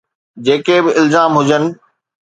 جيڪي به الزام هجن.